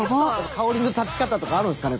香りの立ち方とかあるんすかね。